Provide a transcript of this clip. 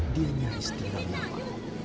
dia nyaris tidak berapa